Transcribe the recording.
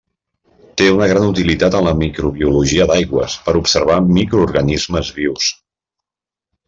Té una gran utilitat en la microbiologia d'aigües per observar microorganismes vius.